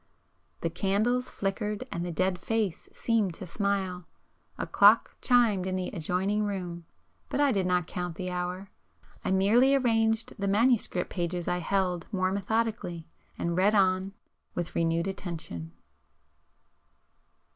[p 414]The candles flickered and the dead face seemed to smile,—a clock chimed in the adjoining room, but I did not count the hour,—I merely arranged the manuscript pages I held more methodically, and read on with renewed attention.